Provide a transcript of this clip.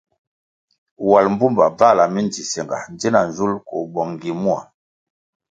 Wal mbpumba bvahla mindzisinga ndzina nzul koh bong gi mua.